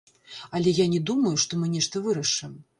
Але я не думаю, што мы нешта вырашым.